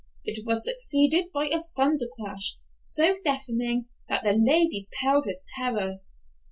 It was succeeded by a thunder crash so deafening that the ladies paled with terror.